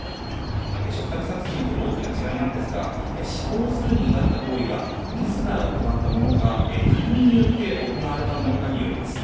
嘱託殺人との大きな違いなんですが死亡するに至った行為が自ら行ったものか他人によって行われたものかによります。